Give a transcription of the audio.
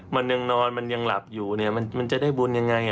มันยังนอนมันยังหลับอยู่เนี่ยมันจะได้บุญยังไง